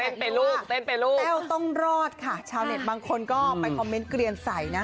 แล้วก็แท็ชก็รู้ว่าแต้วต้องรอดค่ะชาวเน็ตบางคนก็ไปคอมเม้นต์เกลียนใสนะ